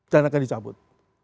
dan akan dicabut